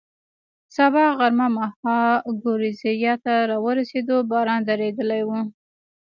سبا غرمه مهال ګورېزیا ته را ورسېدو، باران درېدلی و.